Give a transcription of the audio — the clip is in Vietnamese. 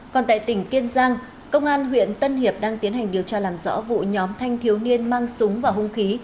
còn tại tỉnh kiên giang công an huyện tân hiệp đang tiến hành điều tra làm rõ vụ nhóm thanh thiếu niên mang súng và hung khí